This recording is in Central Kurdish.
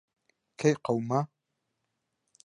کەی قەوما؟